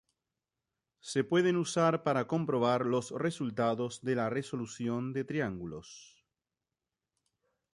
Se pueden usar para comprobar el resultado de la resolución de triángulos.